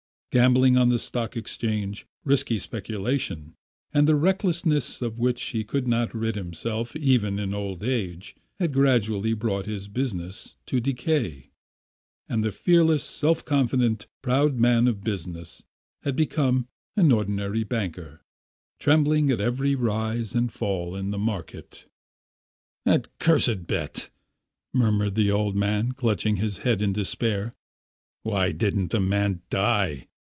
Gambling on the Stock Exchange, risky speculation, and the recklessness of which he could not rid himself even in old age, had gradually brought his business to decay; and the fearless, self confident, proud man of business had become an ordinary banker, trembling at every rise and fall in the market. "That cursed bet," murmured the old man clutching his head in despair... "Why didn't the man die?